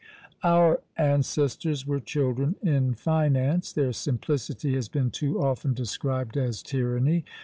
Our ancestors were children in finance; their simplicity has been too often described as tyranny!